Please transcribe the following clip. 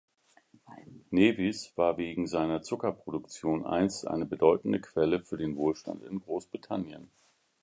Nevis war wegen seiner Zuckerproduktion einst eine bedeutende Quelle für den Wohlstand in Großbritannien.